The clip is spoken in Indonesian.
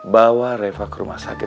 bawa reva ke rumah sakit